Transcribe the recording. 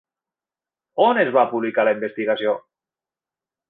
On es va publicar la investigació?